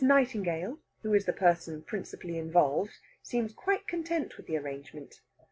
Nightingale, who is the person principally involved, seems quite content with the arrangement.